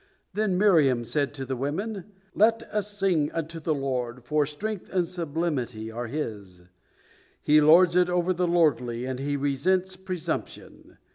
Then Miriam said to the women, "Let us sing unto the Lord, for strength and sublimity are His; He lords it over the lordly, and He resents presumption.